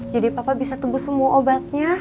jadi papa bisa tubuh semua obatnya